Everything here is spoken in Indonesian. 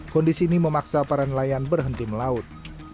kondisi ini memaksa para nelayan berhenti melaut